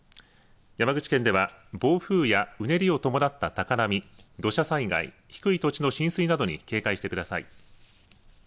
山口県では暴風やうねりを伴った高波土砂災害、低い土地の浸水などに警戒してください。